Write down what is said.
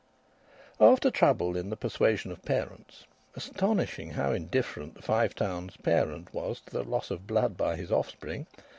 After trouble in the persuasion of parents astonishing how indifferent the Five Towns' parent was to the loss of blood by his offspring!